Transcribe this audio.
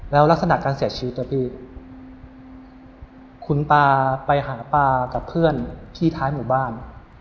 แล้วลักษณะการเสียชีวิตนะพี่คุณตาไปหาปลากับเพื่อนที่ท้ายหมู่บ้าน